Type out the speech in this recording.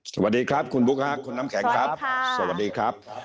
สวัสดีครับคุณบุ๊คค่ะคุณน้ำแข็งครับ